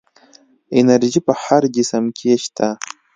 انرژي په هر جسم کې شته.